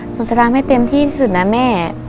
หนูจะทำให้เต็มที่สุดนะแม่